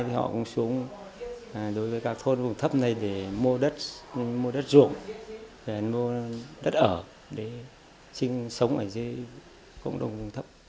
thì họ cũng xuống đối với các thôn vùng thấp này để mua đất ruộng để mua đất ở để sinh sống ở dưới cộng đồng vùng thấp